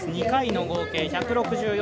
２回の合計、１６４．７０。